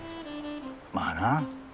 まあな。